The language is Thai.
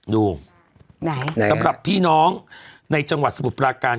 ดูไหนสำหรับพี่น้องในจังหวัดสมุทรปราการ